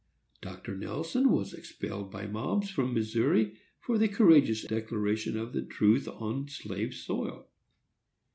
Dr. Nelson was expelled by mobs from Missouri for the courageous declaration of the truth on slave soil.